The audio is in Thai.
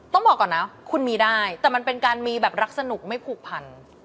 ต้องบอกก่อนนะคุณมีได้แต่มันเป็นการมีแบบรักสนุกไม่ผูกพัน